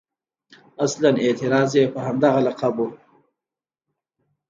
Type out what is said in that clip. اصلاً اعتراض یې په همدغه لقب و.